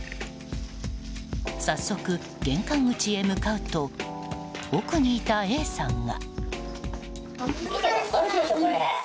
早速、玄関口へ向かうと奥にいたＡさんが。